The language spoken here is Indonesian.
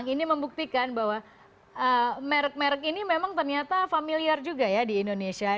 ini membuktikan bahwa merek merek ini memang ternyata familiar juga ya di indonesia